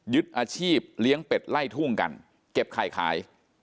อาชีพเลี้ยงเป็ดไล่ทุ่งกันเก็บไข่ขาย